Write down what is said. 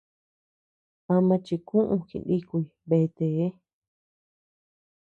Ama chikuu jinikuy betee.